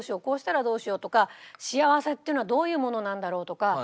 こうしたらどうしようとか幸せっていうのはどういうものなんだろうとか。